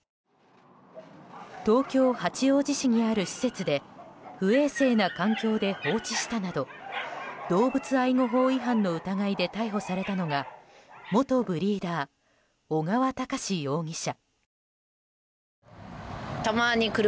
東京・八王子市にある施設で不衛生な環境で放置したなど動物愛護法違反の疑いで逮捕されたのが元ブリーダー尾川隆容疑者。